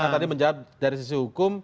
tadi menjawab dari sisi hukum